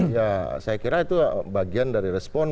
ya saya kira itu bagian dari respon